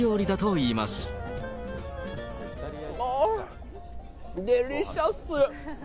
あぁ、デリシャス。